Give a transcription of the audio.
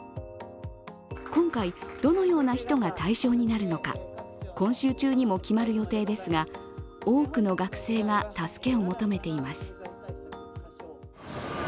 今回、どのような人が対象になるのか、今週中にも決まる予定ですが多くの学生が助けを求めています。